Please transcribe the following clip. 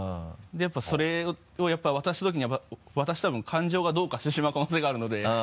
それをやっぱり渡すときに私多分感情がどうかしてしまう可能性があるので。